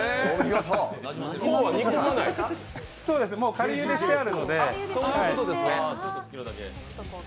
仮ゆでしてあるので。